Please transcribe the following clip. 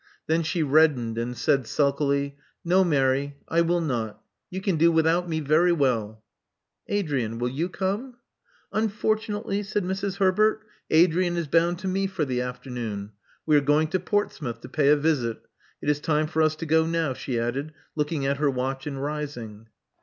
Then she reddened, and said sulkily, No, Mary, I will not. You can do without me very well. *' Adrian: will you come?" *' Unfortunately,*' said Mrs. Herbert, '* Adrian is bound to me for the afternoon. We are going to Portsmouth to pay a visit. It is time for us to go now, she added, looking at her watch and rising.